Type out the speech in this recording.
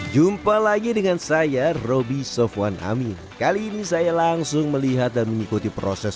jumpa lagi dengan saya roby sofwan amin kali ini saya langsung melihat dan mengikuti proses